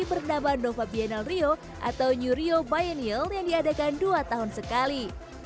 bernama nova bienal rio atau new rio bioniel yang diadakan dua tahun sekali